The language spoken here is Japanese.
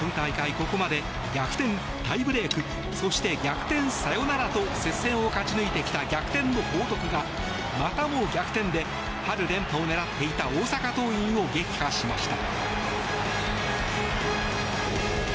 ここまで逆転タイブレークそして、逆転サヨナラと接戦を勝ち抜いてきた逆転の報徳がまたも逆転で春連覇を狙っていた大阪桐蔭を撃破しました。